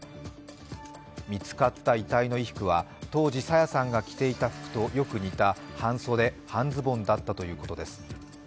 見つかった遺体の衣服は当時朝芽さんが着ていた服とよく似た半袖・半ズボンだったということです。